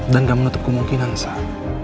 dan gak menutup kemungkinan sal